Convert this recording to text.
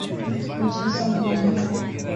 Michezo ni muhimu